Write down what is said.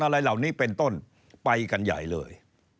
อะไรเหล่านี้เป็นต้นไปกันใหญ่เลย